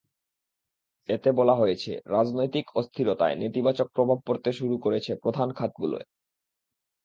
এতে বলা হয়েছে, রাজনৈতিক অস্থিরতার নেতিবাচক প্রভাব পড়তে শুরু করেছে প্রধান খাতগুলোয়।